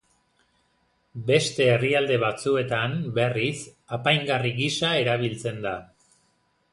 Beste herrialde batzuetan, berriz, apaingarri gisa erabiltzen da.